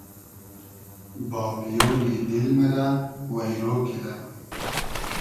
بامیۉنی دیل مۂ رۂ وݷرۉ کیدۂ